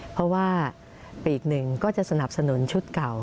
เพราะว่าปีกหนึ่งก็จะสนับสนุนชุดเก่า